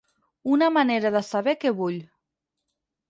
Una manera de saber què vull.